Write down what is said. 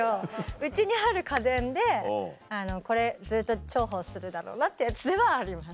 家にある家電でこれずっと重宝するだろうなってやつではあります。